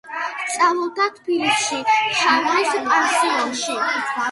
სწავლობდა თბილისში ფავრის პანსიონში.